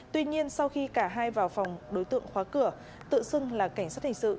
tuy nhiên sau khi cả hai vào phòng đối tượng khóa cửa tự xưng là cảnh sát hình sự